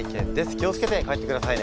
気を付けて帰ってくださいね。